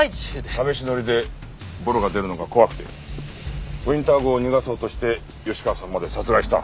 試し乗りでボロが出るのが怖くてウィンター号を逃がそうとして吉川さんまで殺害した。